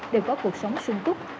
đều có cuộc sống sung túc